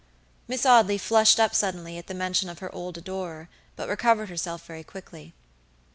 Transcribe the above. Miss Audley flushed up suddenly at the mention of her old adorer, but recovered herself very quickly.